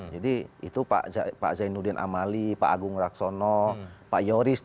jadi itu pak zainuddin amali pak agung raksono pak yoris